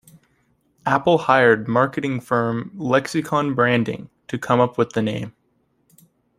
Apple hired marketing firm Lexicon Branding to come up with the name.